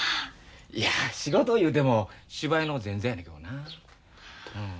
いや仕事言うても芝居の前座やねんけどな。